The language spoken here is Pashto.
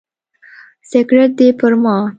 سګرټ دې پر ما.